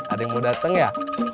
ada yang mau datang ya